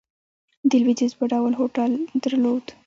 د لوېدیځ په ډول هوټل درلود.